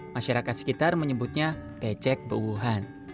masyarakat sekitar menyebutnya becek bewuhan